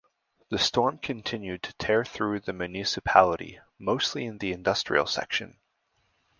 The storm continued to tear through the municipality (mostly in the industrial section).